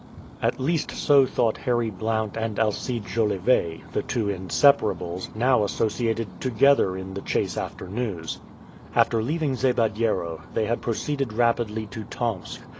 At least so thought Harry Blount and Alcide Jolivet, the two inseparables, now associated together in the chase after news. After leaving Zabediero, they had proceeded rapidly to Tomsk.